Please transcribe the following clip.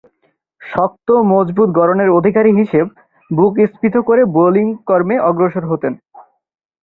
শক্ত মজবুত গড়নের অধিকারী হিসেব বুক স্ফীত করে বোলিং কর্মে অগ্রসর হতেন।